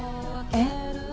えっ？